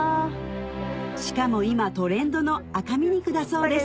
しかも今トレンドの赤身肉だそうです